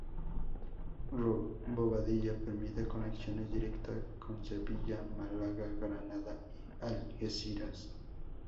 Bobadilla permite conexiones directas con Sevilla, Málaga, Granada y Algeciras.